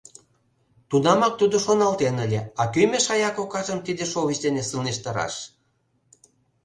Тунамак тудо шоналтен ыле: а кӧ мешая кокажым тиде шовыч дене сылнештараш?